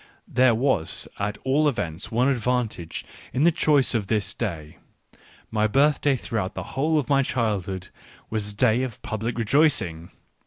There was at all events one advantage in the choice of this day : my birthday throughout the whole of my childhood was a day of public rejoicing.